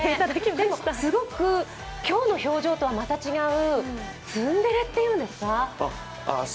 でも今日の表情とはまた違う、ツンデレっていうんですか？